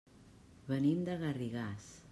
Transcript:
Venim de Garrigàs.